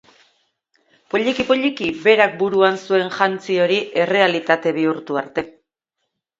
Poliki-poliki, berak buruan zuen jantzi hori errealitate bihurtu arte.